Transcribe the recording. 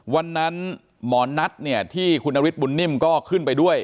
วันนั้นหมอนัทเนี่ยที่คุณนฤทธบุญนิ่มก็ขึ้นไปด้วย